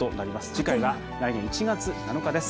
次回は来年１月７日です。